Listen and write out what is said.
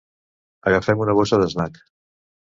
Agafem una bossa d'snack.